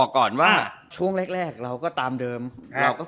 คอนเซ็ปต์รายการเปลี่ยนแล้ว